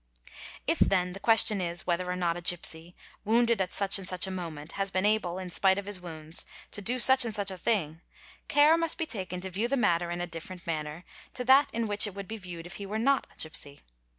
: 'a If then the question is, whether or not a gipsy, wounded at such ané such a moment, has been able, in spite of his wounds, to do such ant such a thing, care must be taken to view the matter in a differen manner to that in which it would be viewed if he were not a gipsy.